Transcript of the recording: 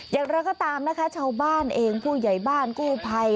อย่างไรก็ตามนะคะชาวบ้านเองผู้ใหญ่บ้านกู้ภัย